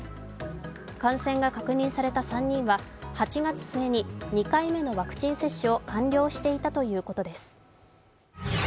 感染が確認された３人は８月末に２回目のワクチン接種を完了していたということです。